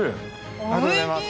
ありがとうございます。